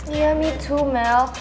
iya aku juga mel